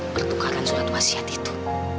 pertukaran surat wasiat itu